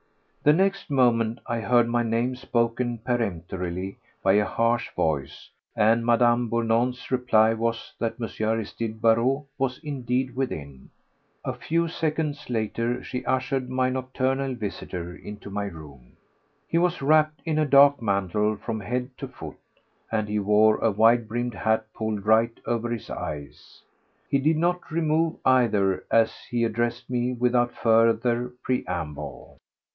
The next moment I heard my name spoken peremptorily by a harsh voice, and Mme. Bournon's reply that M. Aristide Barrot was indeed within. A few seconds later she ushered my nocturnal visitor into my room. He was wrapped in a dark mantle from head to foot, and he wore a wide brimmed hat pulled right over his eyes. He did not remove either as he addressed me without further preamble.